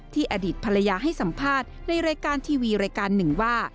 อดีตภรรยาให้สัมภาษณ์ในรายการทีวีรายการหนึ่งว่า